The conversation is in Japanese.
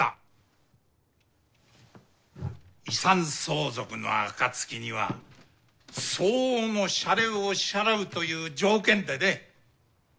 遺産相続のあかつきには相応の謝礼を支払うという条件でね。